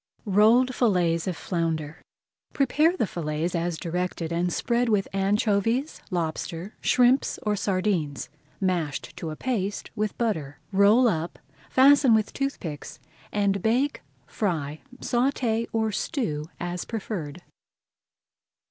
ROLLED FILLETS OF FLOUNDER Prepare the fillets as directed and spread with anchovies, lobster, shrimps, or sardines, mashed to a paste with butter. Roll up, fasten with toothpicks, and bake, fry, sauté, or stew, as preferred.